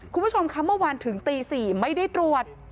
คุณผู้ชมคะเมื่อวานถึงตี๔ไม่ได้ตรวจ